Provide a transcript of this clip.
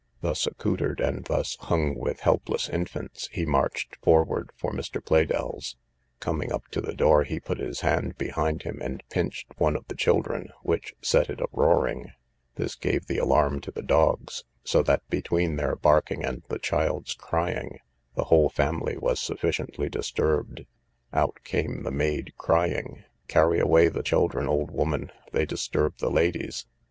Thus accoutred, and thus hung with helpless infants, he marched forwards for Mr. Pleydell's; coming up to the door, he put his hand behind him, and pinched one of the children, which set it a roaring; this gave the alarm to the dogs, so that between their barking and the child's crying, the whole family was sufficiently disturbed. Out came the maid, crying, Carry away the children, old woman, they disturb the ladies.